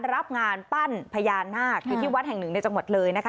รับงานปั้นพญานาคอยู่ที่วัดแห่งหนึ่งในจังหวัดเลยนะคะ